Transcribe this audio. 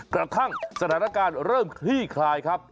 กระทั่งสถานการณ์เริ่มคลี่คลายครับ